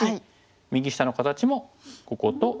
右下の形もこことここ。